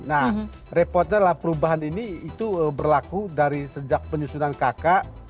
nah repotnya adalah perubahan ini itu berlaku dari sejak penyusunan kk